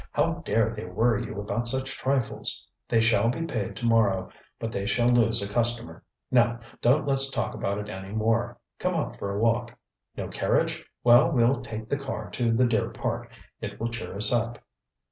How dare they worry you about such trifles? They shall be paid to morrow, but they shall lose a customer. Now, donŌĆÖt letŌĆÖs talk about it any more. Come out for a walk. No carriage! Well, weŌĆÖll take the car to the Deer Park, it will cheer us up.